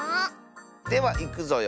ではいくぞよ。